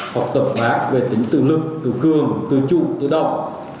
học tập bác về tính tự lực tự cường tự trụ tự động